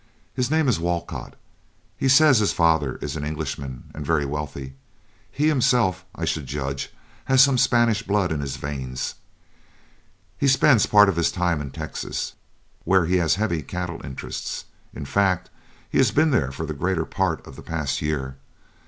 His name is Walcott. He says his father is an Englishman and very wealthy; he himself, I should judge, has some Spanish blood in his veins. He spends part of his time in Texas, where he has heavy cattle interests; in fact, has been there for the greater part of the past year.